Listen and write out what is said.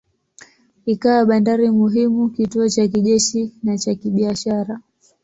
Ikawa bandari muhimu, kituo cha kijeshi na cha kibiashara.